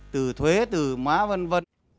từ thuế từ má v v